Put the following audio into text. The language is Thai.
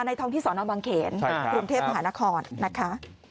ท้องที่สอนอบางเขนกรุงเทพมหานครนะคะ